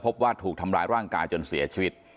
พบว่าถูกทำร้ายร่างกายจนเสียชีวิต